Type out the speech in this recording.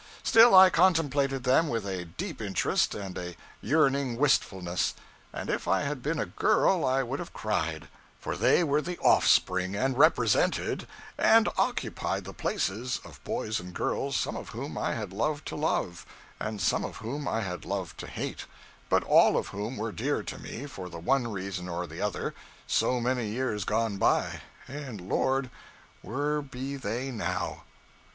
Still, I contemplated them with a deep interest and a yearning wistfulness, and if I had been a girl I would have cried; for they were the offspring, and represented, and occupied the places, of boys and girls some of whom I had loved to love, and some of whom I had loved to hate, but all of whom were dear to me for the one reason or the other, so many years gone by and, Lord, where be they now!